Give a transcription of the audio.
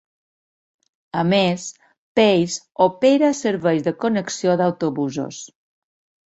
A més, Pace opera serveis de connexió d'autobusos.